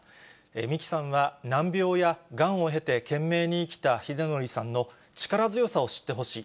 美紀さんは難病やがんを経て懸命に生きた秀典さんの力強さを知ってほしい。